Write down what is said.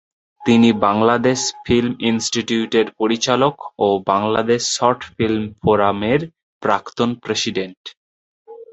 তিনি বাংলাদেশ ফিল্ম ইন্সটিটিউটের পরিচালক ও বাংলাদেশ শর্ট ফিল্ম ফোরামের প্রাক্তন প্রেসিডেন্ট।